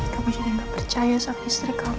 kamu jadi nggak percaya sama istri kamu